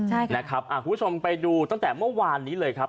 ใช่นะครับคุณผู้ชมไปดูตั้งแต่เมื่อวานนี้เลยครับ